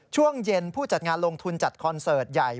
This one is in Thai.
ช่วงเย็นผู้จัดงานลงทุนจัดคอนเสิร์ตใหญ่